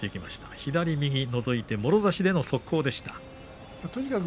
左右ものぞいてもろ差し速攻の相撲でした。